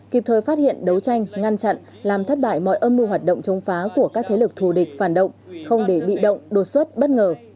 kịp thời phát hiện đấu tranh ngăn chặn làm thất bại mọi âm mưu hoạt động chống phá của các thế lực thù địch phản động không để bị động đột xuất bất ngờ